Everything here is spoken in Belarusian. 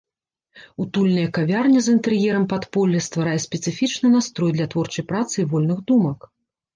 Утульная кавярня з інтэр'ерам падполля стварае спецыфічны настрой для творчай працы і вольных думак.